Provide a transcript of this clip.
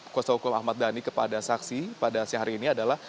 kuasa hukum ahmad dhani kepada saksi pada siang hari ini adalah